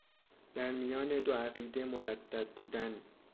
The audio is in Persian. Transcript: در میان دو عقیده مردد بودن